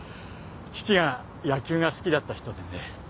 父が野球が好きだった人でね